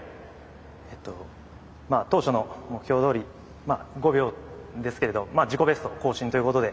えっと当初の目標どおり５秒ですけれど自己ベスト更新ということで。